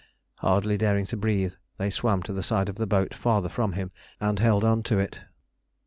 Hardly daring to breathe, they swam to the side of the boat farther from him and held on to it.